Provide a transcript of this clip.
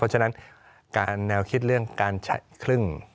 เพราะฉะนั้นการแนวคิดเรื่องการใช้ครึ่ง